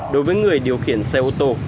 đối với người điều khiển xe ô tô